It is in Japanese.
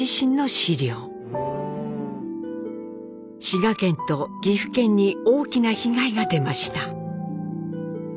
滋賀県と岐阜県に大きな被害が出ました。